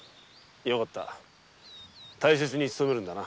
よかった大切に勤めるんだな。